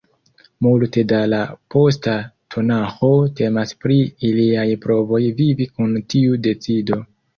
Multe da la posta Tanaĥo temas pri iliaj provoj vivi kun tiu decido.